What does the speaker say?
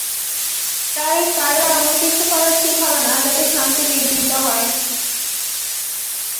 তাই, কারও এমন কিছু করা ঠিক হবে না, যাতে শান্তি বিঘ্নিত হয়।